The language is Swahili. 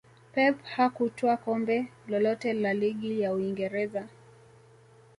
pep hakutwaa kombe lolote la ligi ya uingereza